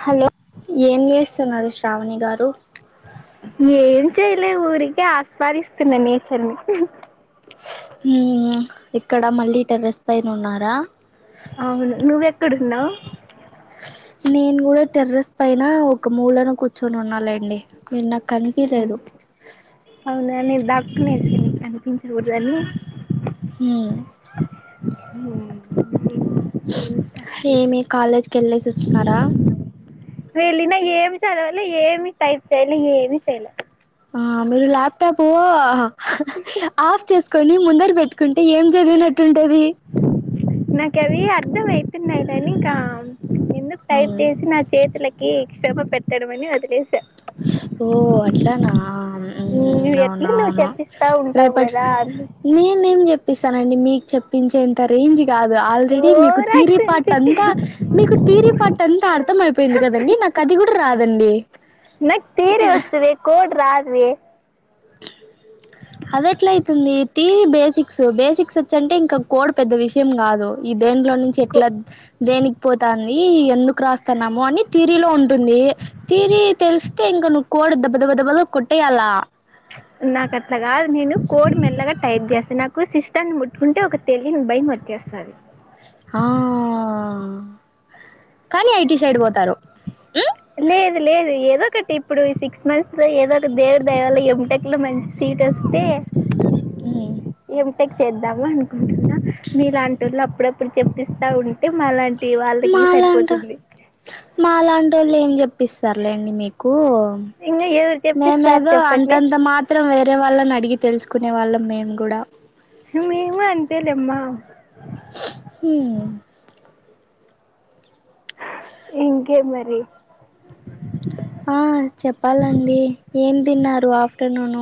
Hello ఏం చేస్తున్నారు శ్రావణి గారు ఏం చేయలే ఊరికే ఆస్వాదిస్తున్న నేచర్ని ఇక్కడ మళ్ళీ టెరెస్ పైన ఉన్నారా అవును నువ్వెక్కడున్నావ్ నేను కూడా టెర్రస్ పైన ఒక మూలను కూర్చోని ఉన్నాలెండి అవునా నేను దాక్కునేది నీకు కనిపించకూడదని హు ఉ ఏమి కాలేజ్కి వెళ్ళేసి వచ్చినారా వెళ్ళినా ఏమి చదవాలి ఏమి టైప్ చేయాలి ఏమి చేయలే ఆ మీరు ల్యాప్టాప్ ఆఫ్ చేసుకొని ముందర పెట్టుకుంటే ఏం చదివు ఎట్టుంటాది నాక అవి అర్థం అయితున్నాయి కానీ ఇంకా ఎందుకు టైప్ హ్మ్ చేసి నా చేతుల శ్రమ పెట్టడమ్మనీ ఒధిలేస ఓ అట్లానా నువ్వు అవున ఎట్లా నువ్వు అవును చెప్పిస్తా ఉంటావు రేపటి కదా నేనే ఏం చెప్పిస్తానండి మీకు చెప్పించేంత రేంజి కాదు ఆల్రెడీ మీకు తీరి పాట అంతా ఓవరాక్షన్ మీకు తీరి పాట అంతా అర్థం అయిపోయింది కదండి నా కది కూడా రాదండి నాకు తీరే వచ్చంది కోట్ రాదు అది ఎట్ల అయితుంది టీ బేసిక్స్ బేసిక్స్ వచ్చింటే ఇంకా కోడ్ పెద్ద విషయం కాదు ఇది దేంట్లో నుంచి కో ఎట్లా దేని పోతుంది ఎందుకు రాస్తున్నాము అని తీరిలో ఉంటుంది తీరి తెలిస్తే ఇంక ను పోయి ధాబా ధాబా కొట్టెయాల నాకు అట్లాగా నేను కోడ్ మెల్లగా టైప్ చేస్తా నాకు సిస్టర్న్ని ముట్టుకుంటే ఒక తెలియని భయం వట్టేస్తుంది ఆ కానీ ఐటి సైడ్ పోతారు ఉమ్ లేదు లేదు ఏదో ఒకటి ఇప్పుడు సిక్స్ మంత్స్ లో ఏదో ఒకటి దేవుడు దయవాల ఎంటెక్ లో మంచి ఇటు వస్తే ఈ క్ చేద్దాము అనుకుంటున్నా మీలాంటి వాళ్ళు అప్పుడప్పుడు చెపిిస్తా ఉంట అంటే మలాంటి వాళ్ళకి మాలాంట సరిపోతుంది పిస్తారులేండి మీకు ఇంకా ఎవరు చెప్పిస్తారు మేమేదో చెప్పండి అంతంత మాత్రం వేరే వాళ్ళ న అడిగి తెలుసుకునే వాళ్ళం మేము కూడా మేము అంతే లేెమ్మా హు ఇంకే మరి ఆ చెప్పాలండి ఏం తిన్నారు ఆఫ్టర్నూన్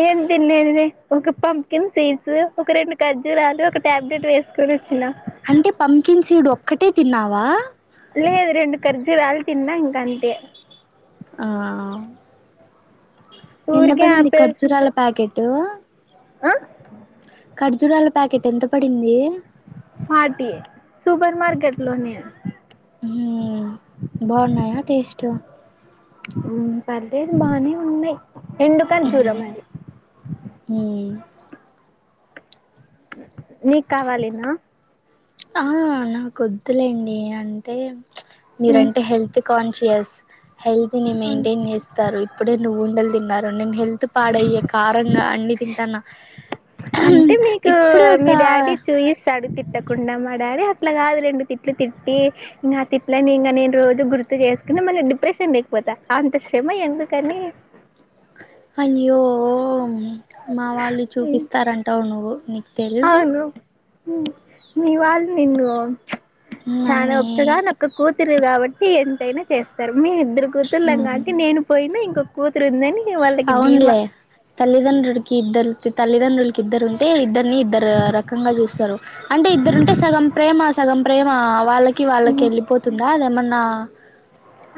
ఏం తినలేదు లే ఒక పంప్కిన్ సీడ్స్ ఒక రెండు కజ్జూరాలు ఒక టాబ్లెట్ వేసుకొని వచ్చినా అంటే పంకిన్ సీడు ఒక్కటే తిన్నావా లేదు రెండు ఖర్జులుాలి తిన్న ఇంక అంతే ఆ కింద ఊరికే పడింది ఆపిల్ ఖర్జూరాల ప్యాకెట్టు ఆ ఖర్జూరాల ప్యాకెట్ ఎంత పడింది పార్టీ సుపర్ మార్కెట్ లోని బాగున్నాయా టెస్ట్ పర్లేదు బానే ఉన్నాయి ఎండు ఖర్జూరం మారి నీకు కావాలినా ఆ నాకొద్దులేండి అంటే మీరంటే హెల్త్ కాన్షియస్ హెల్త్ ని మెయింటైన్ చేస్తారు ఇప్పుడే నువ్వు ఉండలు తిన్నారు నేను హెల్త్ పాడయ్య కారంగా అన్ని తింటాన్న అంటే మీకు మీ డాడీ చూయి అడు తిట్టకుండా మా డాడీ అట్లా కాదు రెండు తిట్లు తిట్టి ఇంకా ఆ తిట్లని ఇంకా నేను రోజు గుర్తు గుర్తు చేసుకుని మళ్ళీ డిప్రెషన్ లేకపోతా అంత శ్రమ ఎందుకని అని్యో మా వాళ్ళు చూపిస్తారంటావు నువ్వు న అవును మీ వాళ్ళు నిన్ను నన్నే చానా ఒక్కగా నొక్క కూతు కూతురు కాబట్టి ఎంతైనా చేస్తారు మేము ఇద్దరు కూతుర్లాం కాట్టి నేను పోయినా ఇంకొక కూతురు ఉందని వాళ్ళకి ధీమా అవున్లే తల్లిదండ రుడ్కి ఇద్దరుతి తల్దంకి ఇద్దరు ఉంటే ఇద్దరిని ఇద్దరు రకంగా చూస్తారు అంటే ఇద్దరుంటే సగం ప్రేమ సగం ప్రేమ వాళ్ళకి వాళ్ళకి వెళ్ళిపోతుందా అదేమన్నా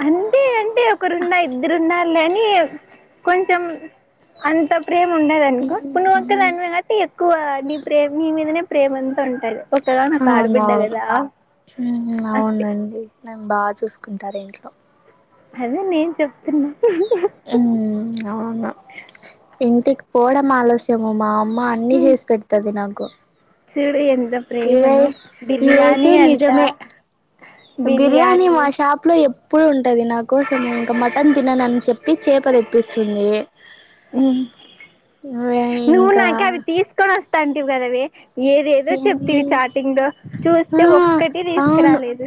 అంటే అంటే ఒకరున్న ఇద్దరున్నారులే అని కొంచెం అంత ప్రేమ ఉండదనుకో ఇ నువ్వుక్క దాని కాట్టి ఎక్కువ నీ ప్రేమ నీ మీదనే ప్రేమ అంతా ఉంటది ఒక్కగా నాకు ఆడబిడ్డ అవునవును కదా అంతే నను బాగా చూసుకుంటారు ఇంట్లో అదే నేను చెప్తున్నా అవును ఇంటికి పోడం ఆలస్యముమా అమ్మా అన్ని ఉమ్. చేసి పెడుతది నాకు చూడు ఎంత ఇదై ప్రేమను ఇదైతే బిర్యానీ అంట నిజమే బిర్యానీ మా షాప్ లో ంటది నా కోసం ఇంకా మటన్ తినను అని చెప్పి చేప తెప్పిస్తుంది అదే నువ్వు ఇంకా నాకే అవి తీసుకొని వస్తాంటవ్ కదావి ఏదేదో ఏంది చెప్తంది చార్టింగ్ లో ఆ చూస్తే ఒక్కటి అవును తీసుకురాలేదు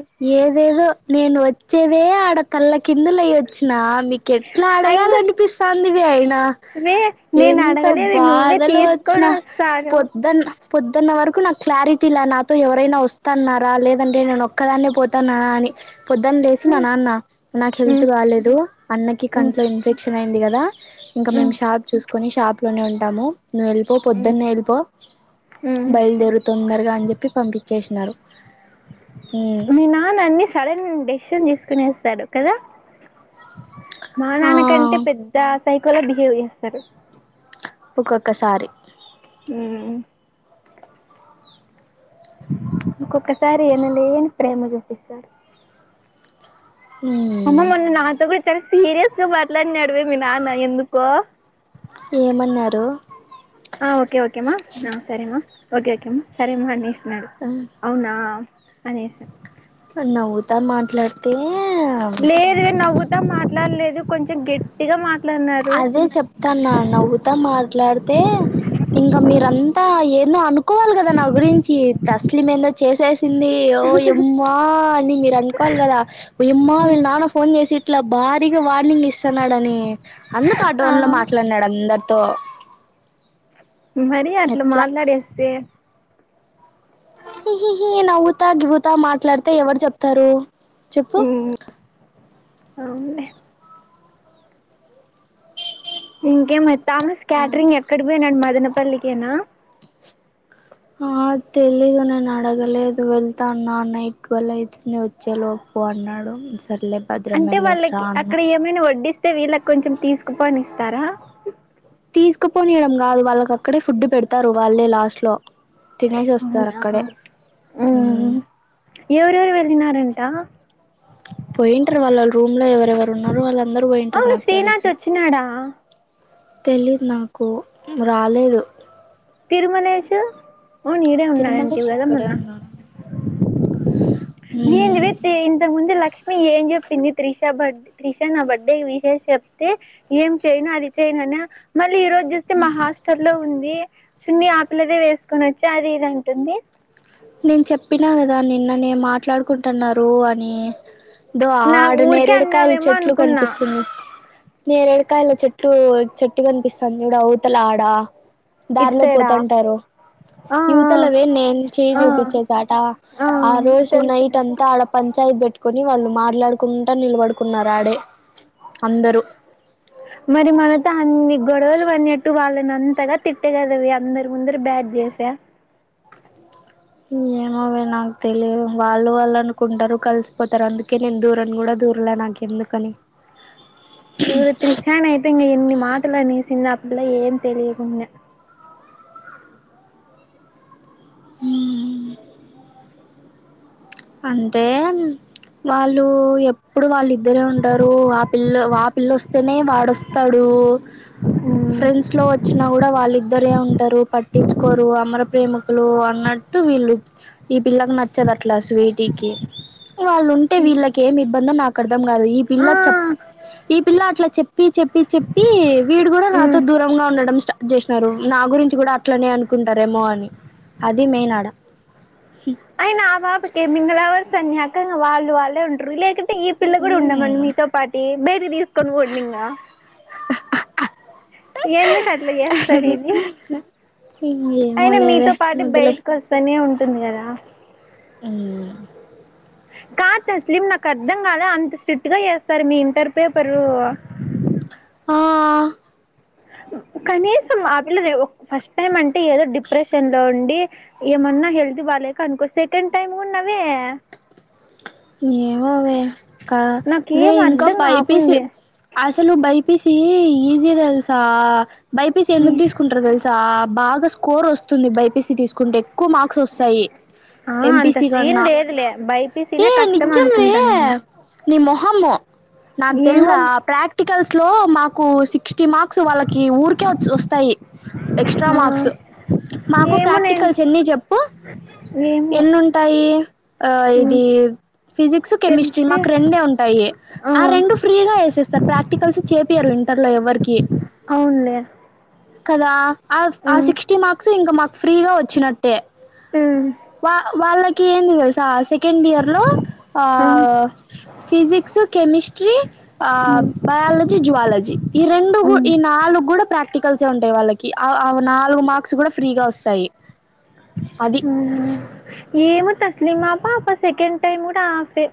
చెవే ఆడ తల్ల కిందులయయి వచ్చినా మీకు ఎట్లా అయినా అడగాలనిపిస్తందివి అయినా వే నేను ఎంత అడగలేదు నువ్వే బాధలు వచ్చిన తీసుకొని వస్తాను పొద్దున్న పొద్దున్న వరకు నాకు క్లారిటీలా నాతో ఎవరైనా వస్తున్నారా లేదంటే నేను ఒక్కదాన్నే పోతన్నా అని పొద్దున్న లేసి నా నాన్న నాకు హెల్త్ బాలేేదు అన్నకి కంట్లో ఇన్ఫెక్షన్ అయింది కదా ఇంకా మేము షాప్ చూసుకుని షాప్ లోనే ఉంటాము నువ్వు వెళ్ళిపో పొద్దున్న వెళ్ళిపో బయలుదేరు తొందరగా అని చెప్పి పంపించే ఉన్నారు మీ నాన్నన్ని సడన్ డెసిషన్ తీసుకునిస్తారు కదా మా ఆ నాన్నకంటే పెద్ద సైకోలా బిహేవ్ చేస్తారు ఒక్కొక్కసారి ఉమ్ ఇంకొక్కసారి ఎమల్యని ప్రేమ చూపిస్తారు ఉమ్ అమ్మ మొన్న నాతో కూడా చాల సీరియస్ గా మాట్లాడి అడివేమి నాన్న ఎందుకో ఏం అన్నారు ఆ ఒకే ఒకే అమ్మ ఆ సరేఅమ్మ ఒకేఒకే మా సరేఅమ్మ నాడు అవునా అనేసా నవ్వుతా మాట్లాడితే లేదు లే నవ్వుతా మాట్లాడలేదు కొంచెం గట్టిగా మాట్ అదే చెప్తాన్నా నవ్వుతా మాట్లాడితే ఇంకా మీరంతా ఏదో అనుకోవాలి కదా నా గురించి తస్లిం ఏందో చేసేసింది ఓ ఎమ్మా మీరు అనుకోవాలి కదా పోయ్యమ్మా వీళ్ళ నాన్న ఫోన్ చేసి ఇట్లా భారీగా వార్నింగ్ ఇస్తున్నాడని అందుకు ఆ టోన్ లో మాట్లాడినాడు అందరితో మరి అట్లా ఎట్లా మాట్లాడేస్తే హి హి హినవ్వుతా దువుతా మాట్లాడితే ఎవరు చెప్తారు చెప్పు ఉమ్, అవునులే ఇంకేమ థామస్ ఆ క్యాటరింగ్ ఎక్కడ పోయినాడు మదనపల్లికేనా ఆ తెలిదు నేను అడగలేదు వెళ్తాన్నా నైట్ ట్వల్ అయితుంది వచ్చేలోపు పో అన్నాడు సర్లే భద్రం అంటే వెళ్ళేసిరా వాళ్ళకి అన్నా అక్కడ ఏమైనా వడ్డిస్తే వీళ్ళకి కొంచెం తీసుకుపోనిస్తారా తీసుకుపోనియడం కాదు వాళ్ళకి అక్కడే ఫుడ్ పెడతారు వాళ్ళే లాస్ట్ లో తినేసి వస్తారు అక్కడే ఉ మ్మ్ ఎవరెవరు వెళ్ళినారంటా పోయింటారు వాళ్ళ రూమ్ లో ఎవరెవరు ఉన్నారు వాళ్ళ అందరూ పోయింటారు అవును నాకు శ్రీనాథ్ తెలిసి వచ్చినాడా తెలిదు నాకు రాలేదు తిరుమలేషు వూను ఈడే ఉన్నాడంటివి తిరుమలేష్ కదా మొన్న ఇక్కడే ఉన్నాడు ఏంది వే మ్మ్ తే ఇంతకు ముందే లక్ లక్ష్మి ఏం చెప్పింది త్రిష బర్ త్రిష నా బర్త్డే కి విషెస్ చెప్తే ఏం చేయను అది చె సనా మళ్ళీ ఈ రోజు జూస్తే మా హాస్టల్లో ఉన్ ఛీ చున్నీ ఆ పిల్లదే వేసుకొని వచ్చి అది ఇది అంటుంది నేను చెప్పినా కదా నిన్న నెమాట్లాడుకుంటున్నారు అని దో నా ఆడు ఊరికే నేరేడుకాయల్ అన్నావేమో చెట్లు అనుకున్నా కనిపిస్తుంది నేరేడుకాయల చెట్టు చెట్టుకనిపిస్తాంది చూడుఅవుతల ఆడ ఇట్ దారిలో సైడా పోతంటారు ఆ యువతలవే నేను ఆ చూపించాడట ఆ రోజు నైట్ తెలుసులే అంతా ఆడ పంచాయత్ పెట్టుకొని వాళ్ళు మాట్లాడుకుంటా నిలబడు మరి మనతో అన్ని గొడవలు అనెట్టు వాళ్ళని అంతగా తిట్టే కద వె అందరి ముందర బ్యాడ్. చేస ఏమోవే నాకు తెలిదు వాళ్ళు వాళ్ళు అనుకుంటారు కలిసిపోతారు అందుకే నేను దూరన్‌కూడా దూరన్‌ ఊర్ల నాకు ఎందుకని అ చూడు త్రిషనైతే ఇంగ ఎన్ని మాటలు అనేసిందో ఆ పిల్ల ఏం తెలియకుండ హ్మ్ అంటే వాళ్ళూ ఎప్పుడూ వాళ్ళిద్దరే ఉంటారు ఆ పిల్ల ఆ పిల్ల వస్తేనే వాడొస్తాడు ఉమ్. ఫ్రెండ్స్ లో వచ్చినా కూడా వాళ్ళిద్ద ఇద్దరే ఉంటారు పట్టించుకోరు అమర ప్రేమికులు అన్నట్టు వీళ్ళు ఈ పిల్లకు నచ్చదు అట్లా వీటికి వాళ్ళు ఉంటే వీళ్ళకి ఏమి ఇబ్బందో నాకు అర్థం కాదు ఈ ఆ, పిల్ల చెప్ ఈ పిల్ల అట్లా చెప్పి చెప్పి చెప్పి వీడు గూడా నాతో ఉమ్. దూరంగా ఉండడం స్టార్ట్ చేసినారు నా గురించి కూడా అట్లనే అనుకుంటారేమో అని అది మెయిన్ ఆడ అయినా ఆ పాప కెమిమింగ లవర్స్. అనంక వాళ్ళు వాళ్ళేఉంటరు రిలెటివ్ అంటే ఈ పిల్ల కూడా ఉండమను మీతో పాటి బయటికి తీసుకొని పోండింగ హ్ హ్ హ్ ఎందుకట్లచెస్తది ఇది ఏమో అయినా లేవే మీతో పాటు వదిలేయ్ బయటకు వస్తానే ఉంటుంది కదా మ్మ్ కా స్లిమ్ నాకు అర్ధం కాదా అంత స్ట్రిక్ట్ గా చేస్తారు మీ ఇంటర్ పేపరు ఆ కనీసం ఆ పిల్ల ఫస్ట్ టైమ్ అంటే ఏదో డిప్రెషన్ లో ఉండి ఏమన్నా హెల్త్ బాలేక అనుకో సెకండ్ టైమ్ ఉన్నవే ఏమోవే కాదే నాకేం ఇంకా అర్ధం బైపిసి కాకుంది అసలు బై పి సి ఈజీ తెలుసా బై పి సి ఈ ఎందుకు తీసుకుంటారు తెలుసా బాగా కోరొస్త్ తుంది బైపిసి తీసుకుంటే ఎక్కువ మార్క్స్ వస్తాయి ఆ అంత ఎంపీసి సీన్ కన్నా లేదులే ఏ బైపీసీనే కష్టం నిజ్జమే అనుకుంటాను నేను నీ మొహము నాకు ఏమో తెల్దా ప్రాక్టీ కల్స్లో మాకు సిక్స్టీ మార్క్స్ వాళ్ళకి ఊరికే వస్తాయి ఎక్స్ట్ ఆ మార్క్స్ మాకు ఏమో నేను ప్రాక్టికల్స్ ఎన్ని చెప్పు ఏమో ఎనుంటాయి ఆ ఉమ్ ఇది ఫిజిక్స్ కెమిస్ట్రీ మాకు రెండే ఉంటాయి ఆ రెండు ఫ్రీగా ఏసేస్తారు ప్రాక్టికల్స్ చేపీయరు ఇంటర్లో ఎవరికి అవునులే కదా ఆ ఆ ఉమ్ సిక్స్టీ మార్క్స్ ఇంకా మాకు ఫ్రీగా వచ్చినట్టే ఉమ్ వా వాళ్ళకి ఏంది తెల్. సా సెకండ్ ఇయర్ లో ఆ ఉమ్ ఫిజిక్స్ కెమిస్ట్రీ ఆ ఉమ్ బయాలజీ జ్వాలజీ ఈ రెండు ఉమ్ ఈ నాలుగు కూడా ప్రాక్టికల్సే ఉంటాయి వాళ్ళకి ఆ ఆ నాలుగు మార్క్స్ కూడా ఫ్రీగా వస్తాయి అది హ్మ్ ఏమో దిమాప ఆప సెకండ్ టైమ్ కూడా ఫే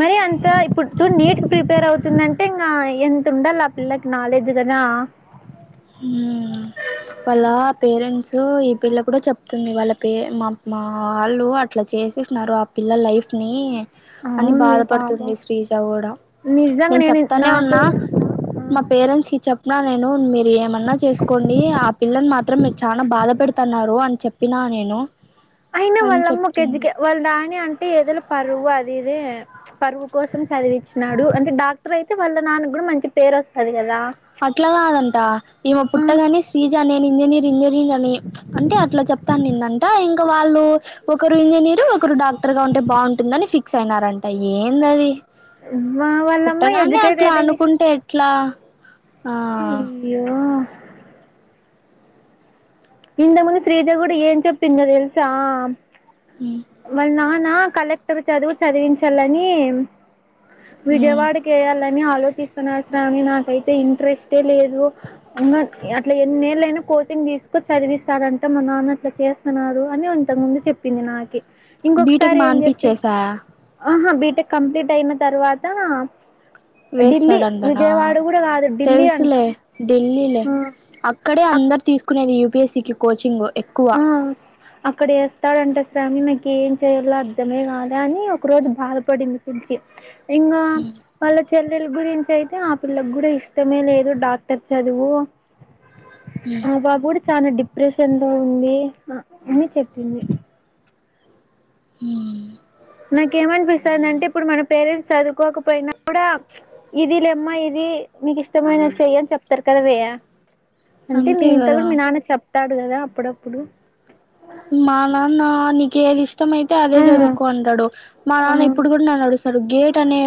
మరి అంత ఇప్పుడు చూడ్ నీట్ కి ప్రిపేర్ అవుతుం టేంగా ఎంత ఉండాల పిల్లకి నాలెడ్జ్ కదా హ్మ్ వాళ్ళ పేరెంట్స్ ఈ పిల్ల కూడా చెప్తుంది వాళ్ళ పే మా మా వాళ్ళు అట్లా చే చేసినారు ఆ పిల్ల లైఫ్ ని అని అవును ఏ పాపం బాధపడుతుంది శ్రీజ కూడా నిజంగా నేను చెప్తానే నాతో ఉన్నా కూడా ఆ. మా పేరెంట్స్ కి చెప్నా నేను మీ ఏమన్నా చేసుకోండి ఆ పిల్లని మాత్రం మీరు చానా బాధ పెడతాన్నారు అని చెప్పినా నేను అయినా అని వాళ్ళమ్మ చెప్తుంది ఒకెజ్జికె వాళ్ళు రాని అంట ఏదల పరువు అదిదే పరువు కోసం చదివిచ్చినాడు అంటే డాక్టర్ అయితే వాళ్ళ నాన్న కూడా మంచి పేరు వస్తది కదా అట్లా కాదంట ఈమె ఆ. పుట్టగానెశ్రీజ నేను ఇంజనీర్ ఇంజనీర్ అని అంటే అట్లా చ వత్తా అనిందం [unintelligible] వాళ్ళు ఒకరు ఇంజనీర్ ఒకరు డాక్టర్ గా ఉంటే బావుంటుందని ఫిక్స్ అయినారంట ఏందది వా- వాళ్ళమ్మ పుట్టగానే అట్లా ఎడ్యుకేటెడ్ అయ్యి అనుకుంటే ఎట్లా ఆ అయ్యో ఇంతకు ముందు శ్రీజ కూడా ఏం చెప్పిందో తెలుసా వాళ్ళ నాన్న కలెక్టర్ చదువు చదివించాలని విజయవాడకి ఎయాలని ఆలోచిస్తున్నారు శ్రావణినాకైతే ఇంట్రెస్టే లేదు ఇంగఅట్లా ఎన్నేల నేను కోచింగ్ తీసుకుని చదివిస్తారంట మా నాన్న అట్లా చేస్తున్నారు అని ఇంత కుముందు చెప్పింది నాకి బీటెక్ ఇంకొకసారి ఏం చెప్పి మానిపిచ్చేసా ఆహా బీటెక్ కంప్లీట్ అయిన తర్వాత ఢిల్లీ వేస్తాడంటనా విజయవాడ కూడా కాదు ఢిల్లీ అంటా తెలుసులే ఢిల్లీలే ఆ అక్కడే అక్ అందరు తీసుకునేది యు పి ఎస్సి కి కోచింగ్ ఎక్కువ ఆ అక్కడ వేస్తాడంట స్వామి నాకు ఏం చేయాలో అర్దమే కాలే అని ఒక రోజు బాధపడింది కుంచి ఇంగా వాళ్లకి చెల్లెల గురించి అయితే ఆ పిల్లకు కూడా ఇష్టమే లేదు డాక్టర్ చదువు ఆ పాపకూడా చాలా డిప్రెషన్ లో ఉంది అని చెప్పింది హా నాక్ ఏమనిపిస్తాందంటే ఇప్పుడు మన పేరెంట్స్ చదువ్ కోకపోయినా కూడా ఇది లేమ్మ ఇది నీకు ఇష్టమైనది సేయ్ అని సెప్తరు కదా వేయా అంటే మీ అంతే ఇంట్లో కూడా కదా మీ నాన్న చెప్తాడు కదా అప్పుడప్పుడు మా నాన్న నీకు ఏది ఇష్ట ఇష్టం అయితే అదే ఆ చదువుకుంటాడు మా ఆ నాన్న ఇప్పుడు కూడా అడు సార్ గేట్ అనే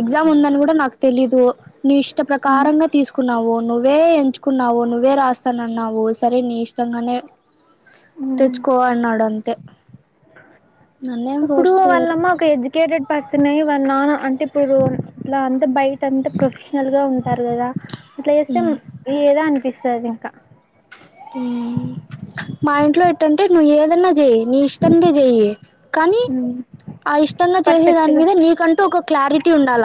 ఎగ్జామ్ ఉందని కూడా నాకు తెలీదు నీ ఇష్ట ప్రకారంగా తీసుకున్నావో నువ్వే ఎంచుకున్నావ నువ్వే రాస్తు నన్నా ఓ సరే నీ ఇష్టంగానే ఉమ్ తెచ్చుకోవాలన్నాడు అంతే నన్నేం ఇప్పుడు ఫోర్స్ చేయరు వాళ్ళమ్మా ఒక ఎడ్యుకేటెడ్ పర్సన్య వాళ్ళ నా అంటే ఇప్పుడు ఇ అంత బయట ఇ అంతా ప్రొఫెషనల్ గా ఉంటారు కదా అట్లా చేస్తే ఏదా అనిపిస్తుంది ఇంకా మా ఇంట్లో ఏట్ంటే నువ్వు ఏదన్నా చేయయి నీ ఇష్టదే చెయ్య కానీ ఆ ఇష్టంగా చేసే పర్ఫెక్ట్ దాని గా మీద నీకంటూ ఒక క్లారిటీ ఉండాల